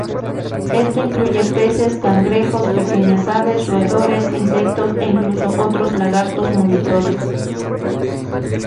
Esto incluye peces, cangrejos, pequeñas aves, roedores, insectos e incluso otros lagartos monitores.